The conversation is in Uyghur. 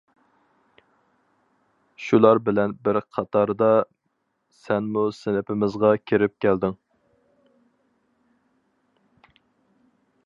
شۇلار بىلەن بىر قاتاردا سەنمۇ سىنىپىمىزغا كىرىپ كەلدىڭ.